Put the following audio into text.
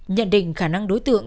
nhận định khả năng đối tượng